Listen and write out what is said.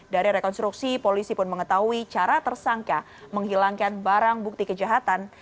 dari rekonstruksi polisi pun mengetahui cara tersangka menghilangkan barang bukti kejahatan